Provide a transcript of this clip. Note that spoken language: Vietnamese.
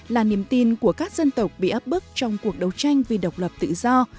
là niềm tin của các dân tộc bị áp bức trong cuộc đấu tranh vì độc lập tự do